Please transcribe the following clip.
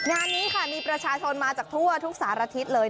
งานนี้ค่ะมีประชาชนมาจากทั่วทุกสารทิศเลย